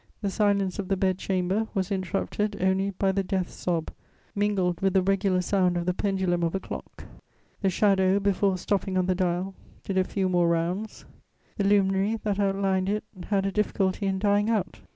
The silence of the bed chamber was interrupted only by the death sob, mingled with the regular sound of the pendulum of a clock: the shadow, before stopping on the dial, did a few more rounds; the luminary that outlined it had a difficulty in dying out.